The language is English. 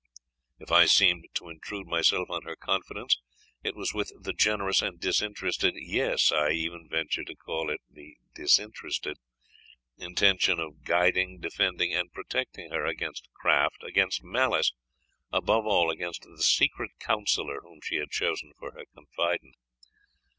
If I seemed to intrude myself on her confidence, it was with the generous and disinterested (yes, I even ventured to call it the disinterested) intention of guiding, defending, and protecting her against craft against malice, above all, against the secret counsellor whom she had chosen for her confidant.